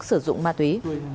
sử dụng ma túy